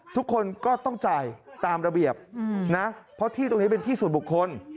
ทุกคนก็ต้องจ่ายตามระเบียบนะเพราะที่ตรงนี้เป็นที่ส่วนบุคคล